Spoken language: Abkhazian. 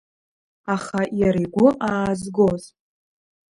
Аха, иара игәы аазгоз…